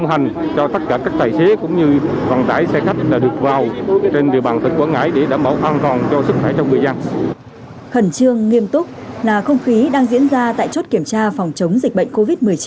khẩn trương nghiêm túc là không khí đang diễn ra tại chốt kiểm tra phòng chống dịch bệnh covid một mươi chín